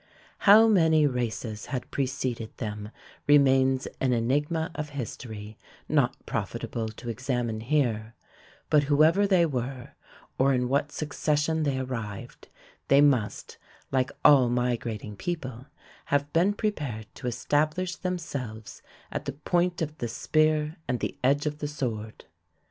How many races had preceded them remains an enigma of history not profitable to examine here, but whoever they were, or in what succession they arrived, they must, like all migrating people, have been prepared to establish themselves at the point of the spear and the edge of the sword.